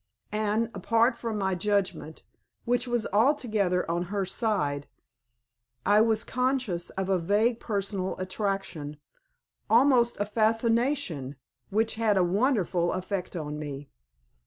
And, apart from my judgment, which was altogether on her side, I was conscious of a vague personal attraction, almost a fascination, which had a wonderful effect on me.